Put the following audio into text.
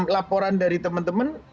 laporan dari teman teman